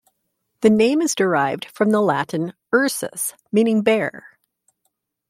The name is derived from the Latin "ursus", meaning "bear".